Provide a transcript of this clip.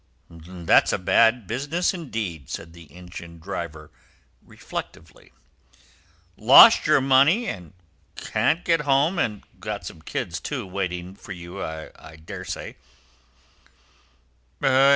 "That's a bad business, indeed," said the engine driver reflectively. "Lost your money—and can't get home—and got some kids, too, waiting for you, I dare say?"